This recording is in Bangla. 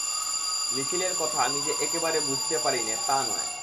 নিখিলের কথা আমি যে একেবারে বুঝতে পারি নে তা নয়।